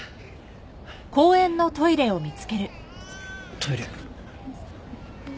トイレ。